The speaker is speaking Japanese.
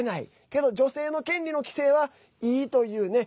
けど、女性の権利の規制はいいというね